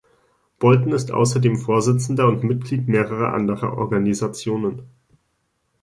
Bolton ist außerdem Vorsitzender und Mitglied mehrerer anderer Organisationen.